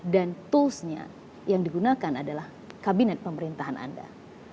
dan tools nya yang digunakan adalah kabinet pemerintahan anda